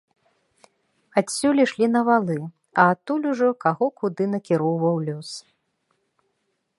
Адсюль ішлі на валы, а адтуль ужо каго куды накіроўваў лёс.